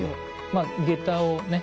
まあ下駄をね